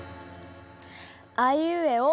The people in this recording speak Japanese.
あいうえお。